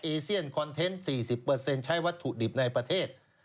เซียนคอนเทนต์๔๐ใช้วัตถุดิบในประเทศ